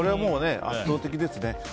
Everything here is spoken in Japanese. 圧倒的ですね。